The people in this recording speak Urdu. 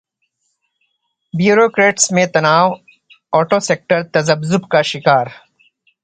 بیوروکریٹس میں تنا اٹو سیکٹر تذبذب کا شکار